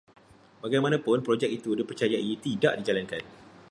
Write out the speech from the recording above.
Bagaimanapun, program itu dipercayai tidak dijalankan